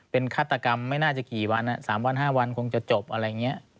เป็นฆาตกรรมไม่น่าจะกี่วัน๓วัน๕วันคงจะจบอะไรอย่างนี้